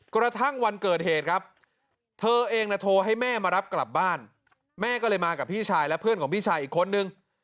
กระทั่งวันเกิดเหตุครับเธอเองนะโทรให้แม่มารับกลับบ้านแม่ก็เลยมากับพี่ชายและเพื่อนของพี่ชายอีกคนนึง